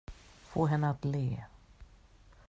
Få henne att le.